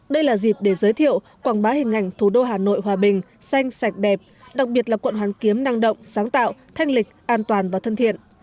đây là dịp để giới thiệu quảng bá hình ảnh thủ đô hà nội hòa bình xanh sạch đẹp đặc biệt là quận hoàn kiếm năng động sáng tạo thanh lịch an toàn và thân thiện